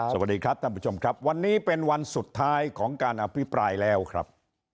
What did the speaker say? สวัสดีครับท่านผู้ชมครับวันนี้เป็นวันสุดท้ายของการอภิปรายแล้วครับ